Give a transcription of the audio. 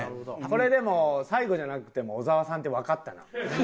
これでも最後じゃなくても小沢さんってわかったな。